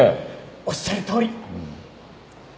おっしゃるとおり！